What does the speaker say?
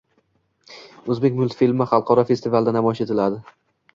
O‘zbek multfilmi xalqaro festivalda namoyish etilading